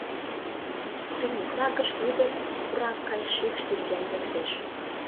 Тӱньыкла гыч лудо пурак гай шикш тӱрген лектеш.